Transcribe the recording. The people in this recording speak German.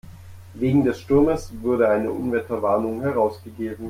Wegen des Sturmes wurde eine Unwetterwarnung herausgegeben.